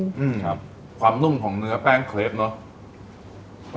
อืมครับความนุ่มของเนื้อแป้งเคล็ปเนอะ